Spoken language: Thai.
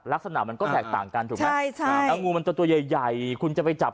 ลักษณะมันก็แทกต่างกันถูกไหมนะงูมันตัวใหญ่คุณจะไปจับ